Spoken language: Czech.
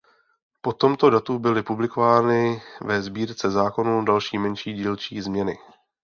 Po tomto datu byly publikovány ve Sbírce zákonů další menší dílčí změny.